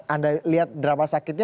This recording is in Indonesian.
anda lihat drama sakitnya